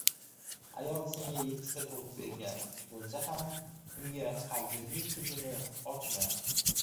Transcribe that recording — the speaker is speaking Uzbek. • Ayol senga yettita tug‘ib bergan bo‘lsa ham unga qalbingning tubini ochma.